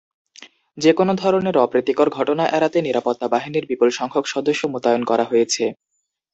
যেকোনো ধরনের অপ্রীতিকর ঘটনা এড়াতে নিরাপত্তা বাহিনীর বিপুলসংখ্যক সদস্য মোতায়েন করা হয়েছে।